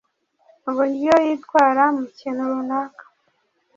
uburyo yitwara mu kintu runaka